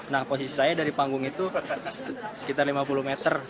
nah posisi saya dari panggung itu sekitar lima puluh meter